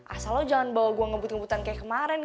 asal lo jangan bawa gue ngebut ngebutan kayak kemarin